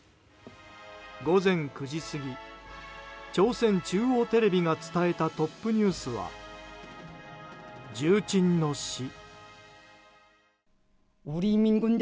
午前９時過ぎ朝鮮中央テレビが伝えたトップニュースは重鎮の死。